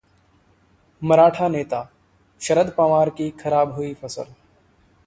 मराठा नेता शरद पवार की 'खराब हुई फसल'